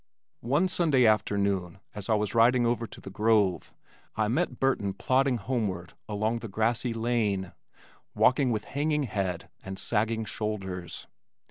One Sunday afternoon as I was riding over to the Grove, I met Burton plodding homeward along the grassy lane, walking with hanging head and sagging shoulders.